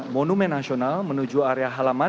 yang sudah akan mengampit